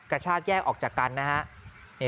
กระชากแยกออกจากกันนะฮะ